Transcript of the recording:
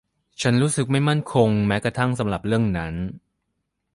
ฉันรู้สึกไม่มั่นคงแม้กระทั่งสำหรับเรื่องนั้น